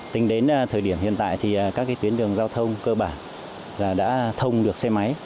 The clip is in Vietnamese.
tính đến thời điểm hiện tại các tuyến đường giao thông cơ bản đã thông được